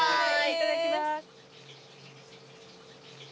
いただきます。